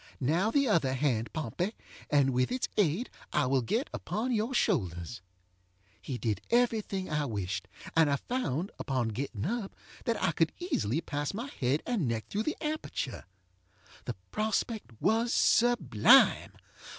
Now, the other hand, Pompey, and with its aid I will get upon your shoulders. ŌĆØ He did every thing I wished, and I found, upon getting up, that I could easily pass my head and neck through the aperture. The prospect was sublime.